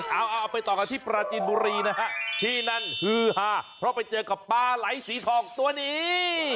เอาไปต่อกันที่ปราจินบุรีนะฮะที่นั่นฮือฮาเพราะไปเจอกับปลาไหลสีทองตัวนี้